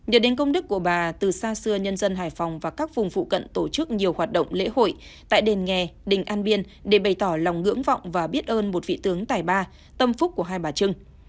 nhờ đến công đức của bà từ xa xưa nhân dân hải phòng và các vùng phụ cận tổ chức nhiều hoạt động lễ hội tại đền nghề đình an biên để bày tỏ lòng ngưỡng vọng và biết ơn một vị tướng tài ba tâm phúc của hai bà trưng